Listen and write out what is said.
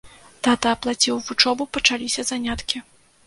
Тата аплаціў вучобу, пачаліся заняткі.